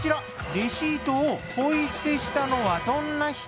レシートをポイ捨てしたのはどんな人？